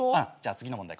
次の問題